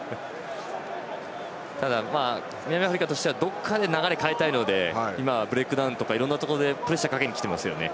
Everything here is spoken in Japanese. ただ南アフリカとしてはどこかで流れを変えたいので今はブレイクダウンとかいろんなところでプレッシャーかけにきてますね。